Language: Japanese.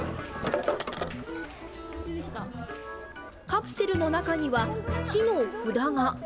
カプセルの中には、木の札が。